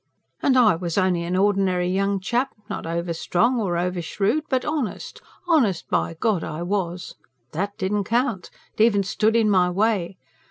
And I was only an ordinary young chap; not over strong nor over shrewd, but honest honest, by God I was! That didn't count. It even stood in my way.